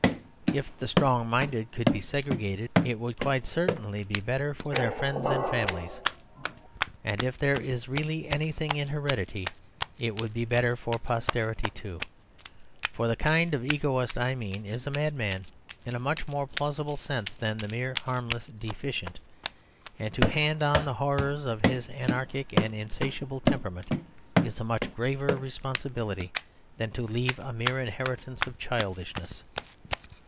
If the strong minded could be segregated it would quite certainly be better for their friends and families. And if there is really anything in heredity, it would be better for posterity too. For the kind of egoist I mean is a madman in a much more plausible sense than the mere harmless "deficient"; and to hand on the horrors of his anarchic and insatiable temperament is a much graver responsibility than to leave a mere inheritance of childishness.